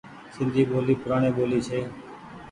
سندي ٻولي پوڙآڻي ٻولي ڇي۔